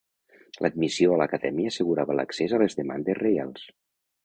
L'admissió a l'Acadèmia assegurava l'accés a les demandes reials.